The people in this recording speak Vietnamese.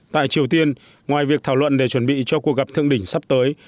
tại triều tiên ngoài việc thảo luận để chuẩn bị cho cuộc gặp thượng đỉnh sắp tới